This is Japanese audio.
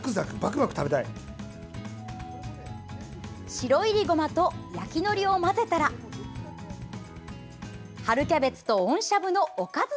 白いりごまと焼きのりを混ぜたら春キャベツと温しゃぶのおかず